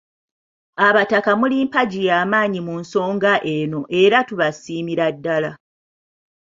Abataka muli mpagi y'amannyi nnyo mu nsonga eno era tubasiimira ddala.